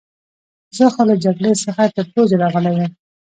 زه خو له جګړې څخه تر پوزې راغلی یم.